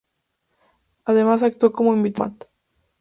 Además actuó como invitado en "Combat!